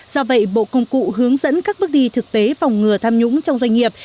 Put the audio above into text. do vậy bộ công cụ hướng dẫn các bước đi thực tế phòng ngừa tham nhũng trong doanh nghiệp